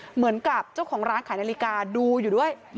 เหมือนกับเจ้าของร้านขายนาฬิกาดูอยู่ด้วย